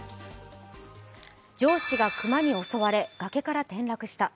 上司が熊に襲われ、崖から転落した。